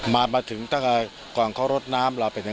มามาถึงตั้งแต่ก่อนเขารถน้ำเราไป